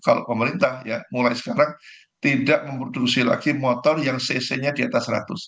kalau pemerintah ya mulai sekarang tidak memproduksi lagi motor yang cc nya di atas seratus